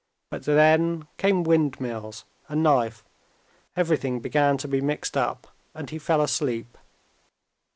But then came windmills, a knife, everything began to be mixed up, and he fell asleep.